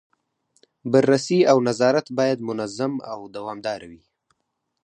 بررسي او نظارت باید منظم او دوامداره وي.